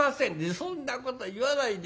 「そんなこと言わないで。